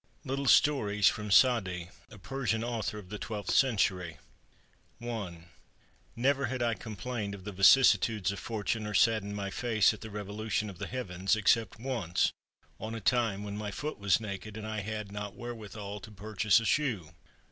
LITTLE STORIES FROM SADI, A PERSIAN AUTHOR OF THE TWELFTH CENTURY Never had I complained of the vicissitudes of fortune or saddened my face at the revolution of the heavens ex cept once on a time when my foot was naked, and I had not wherewithal to purchase a shoe.